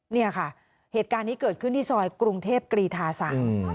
เนี่ยค่ะเหตุการณ์นี้เกิดขึ้นที่ซอยกรุงเทพกรีธาสาม